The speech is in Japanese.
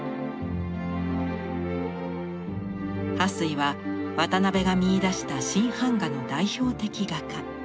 巴水は渡邊が見いだした新版画の代表的画家。